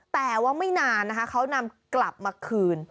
แต่ว่าไม่นานนะคะเขานำกลับมาคืน